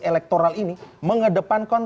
elektoral ini mengedepankan